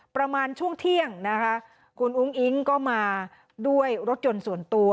ประมาณช่วงเที่ยงนะคะคุณอุ้งอิ๊งก็มาด้วยรถยนต์ส่วนตัว